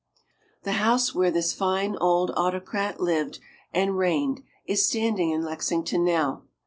The house where this fine old autocrat lived and reigned is standing in Lexington now.